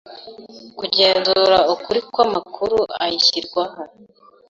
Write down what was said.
kugenzura ukuri kw'amakuru ayishyirwaho